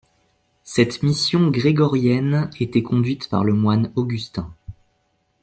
Cette mission grégorienne était conduite par le moine Augustin.